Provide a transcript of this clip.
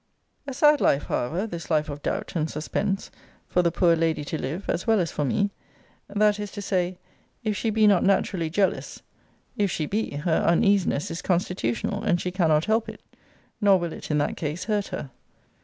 A sad life, however, this life of doubt and suspense, for the poor lady to live, as well as for me; that is to say, if she be not naturally jealous if she be, her uneasiness is constitutional, and she cannot help it; nor will it, in that case, hurt her.